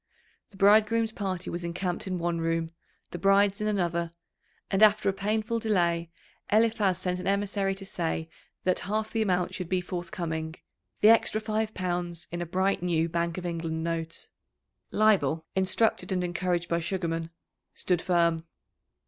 The bridegroom's party was encamped in one room, the bride's in another, and after a painful delay Eliphaz sent an emissary to say that half the amount should be forthcoming, the extra five pounds in a bright new Bank of England note. Leibel, instructed and encouraged by Sugarman, stood firm.